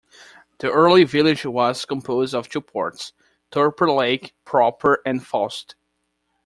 The early village was composed of two parts, Tupper Lake proper and Faust.